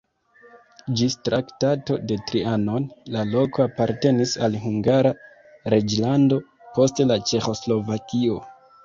Ĝis Traktato de Trianon la loko apartenis al Hungara reĝlando, poste al Ĉeĥoslovakio.